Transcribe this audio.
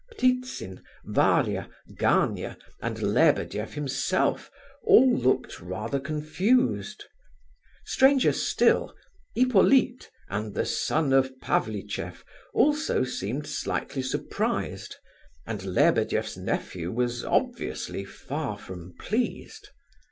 Ptitsin, Varia, Gania, and Lebedeff himself, all looked rather confused. Stranger still, Hippolyte and the "son of Pavlicheff" also seemed slightly surprised, and Lebedeff's nephew was obviously far from pleased.